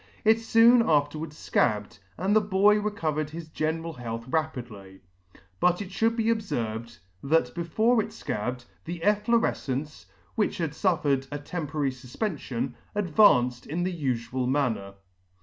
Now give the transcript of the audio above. It Soon afterwards Scabbed, and the boy recovered his general health rapidly. But it Should be obferved, that before it Scabbed, the efflorefcence, which had Suffered a temporary fufpenfion, advanced in theufual manner.